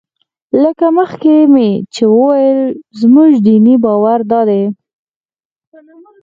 لکه دمخه مې چې وویل زموږ دیني باور دادی.